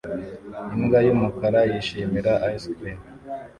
imbwa yumukara yishimira ice cream